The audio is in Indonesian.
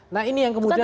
nah ini yang kemudian